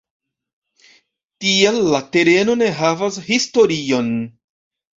Tial la tereno ne havas historion.